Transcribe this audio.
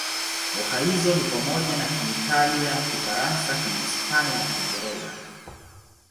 Lugha hizo ni pamoja na Kiitalia, Kifaransa, Kihispania na Kiingereza.